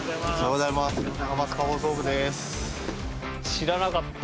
知らなかった。